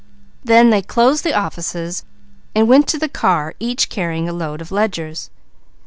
Then they closed the offices and went to the car, each carrying a load of ledgers.